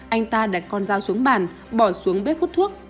anh ta đặt con dao xuống bàn bỏ xuống bếp hút thuốc